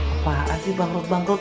apaan sih bangkrut bangkrut